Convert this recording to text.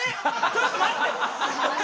ちょっと待って。